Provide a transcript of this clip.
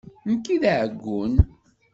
D nekk i d aɛeggun.